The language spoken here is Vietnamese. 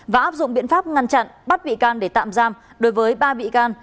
và áp dụng biện pháp ngăn chặn bắt bị can để tạm giam đối với ba bị can